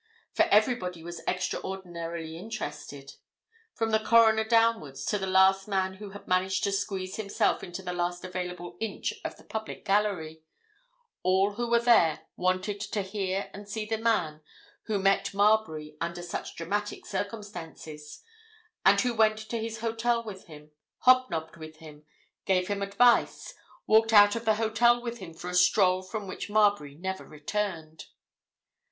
For everybody was extraordinarily interested; from the Coroner downwards to the last man who had managed to squeeze himself into the last available inch of the public gallery, all who were there wanted to hear and see the man who met Marbury under such dramatic circumstances, and who went to his hotel with him, hobnobbed with him, gave him advice, walked out of the hotel with him for a stroll from which Marbury never returned.